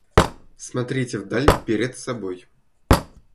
Смотрите в даль перед собой.